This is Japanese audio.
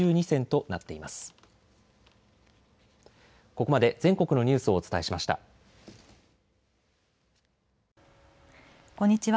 こんにちは。